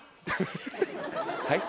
はい？